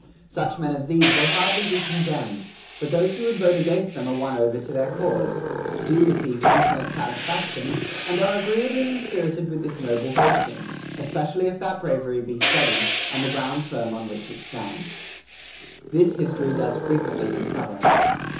Such men as these will hardly be condemned ; but those who would vote against them are won over to their cause, do receive infinite satisfaction, and are agreeably inspirited with this noble boasting, es pecially if that bravery be steady, and the ground firm on which it stands. This history does frequently discover.